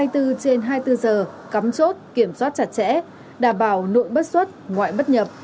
hai mươi bốn trên hai mươi bốn giờ cắm chốt kiểm soát chặt chẽ đảm bảo nội bất xuất ngoại bất nhập